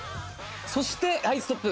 そして、ストップ。